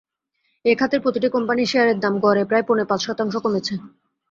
এ খাতের প্রতিটি কোম্পানির শেয়ারের দাম গড়ে প্রায় পৌনে পাঁচ শতাংশ কমেছে।